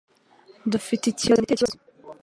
Dufite ikibazo." "Ni ikihe kibazo?"